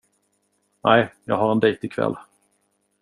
Nej, jag har en dejt ikväll.